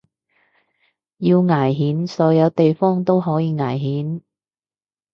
要危險所有地方都可以危險